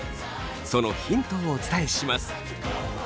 そのヒントをお伝えします。